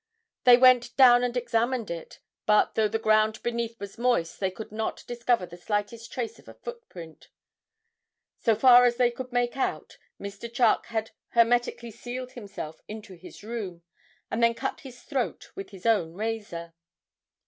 They went down and examined it, but, though the ground beneath was moist, they could not discover the slightest trace of a footprint. So far as they could make out, Mr. Charke had hermetically sealed himself into his room, and then cut his throat with his own razor.'